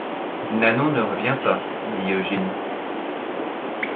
Nanon ne revient pas, dit Eugénie.